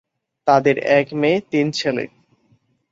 তাদের এক মেয়ে, তিন ছেলে।